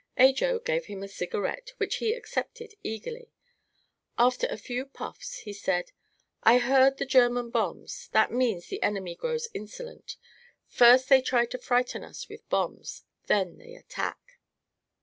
Ajo gave him a cigarette, which he accepted eagerly. After a few puffs he said: "I heard the German bombs. That means the enemy grows insolent. First they try to frighten us with bombs, then they attack."